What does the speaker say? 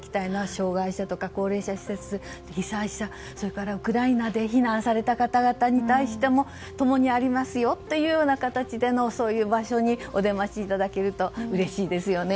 障害者や高齢者施設被災者、それからウクライナで避難された方々に対しても共にありますよという形でのそういう場所にお出ましいただけるとうれしいですよね。